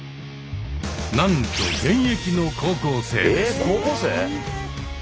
なんと現役の高校生です。